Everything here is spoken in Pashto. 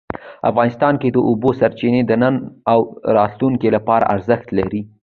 افغانستان کې د اوبو سرچینې د نن او راتلونکي لپاره ارزښت لري.